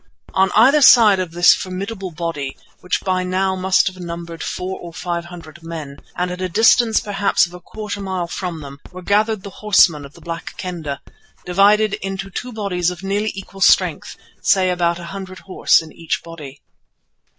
On either side of this formidable body, which by now must have numbered four or five hundred men, and at a distance perhaps of a quarter of a mile from them, were gathered the horsemen of the Black Kendah, divided into two bodies of nearly equal strength, say about a hundred horse in each body.